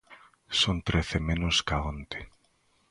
Son trece menos ca onte.